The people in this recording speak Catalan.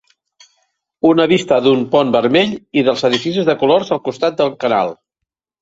Una vista d'un pont vermell i dels edificis de colors al costat del canal.